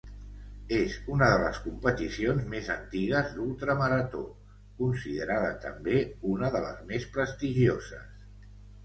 És una de les competicions més antigues d'ultramarató, considerada també una de les més prestigioses.